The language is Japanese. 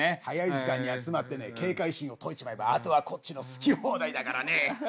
早い時間に集まってね警戒心を解いちまえばあとはこっちの好き放題だからね。